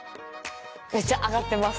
めっちゃ上がってます